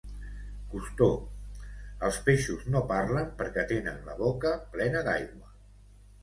Cousteau: els peixos no parlen perquè tenen la boca plena d'aigua